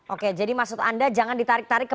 oke jadi maksud anda jangan ditarik tarik ke